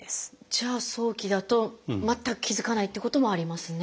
じゃあ早期だと全く気付かないってこともありますね。